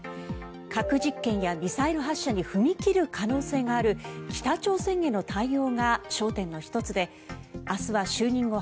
核実験やミサイル発射に踏み切る可能性がある北朝鮮への対応が焦点の１つで明日は就任後